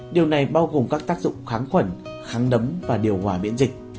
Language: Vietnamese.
điều này bao gồm các tác dụng kháng khuẩn kháng nấm và điều hòa miễn dịch